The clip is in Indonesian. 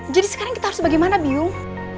jadi sekarang kita harus bagaimana biung